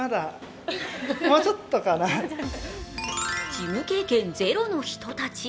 ジム経験ゼロの人たち。